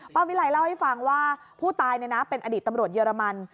วิไลเล่าให้ฟังว่าผู้ตายเป็นอดีตตำรวจเยอรมัน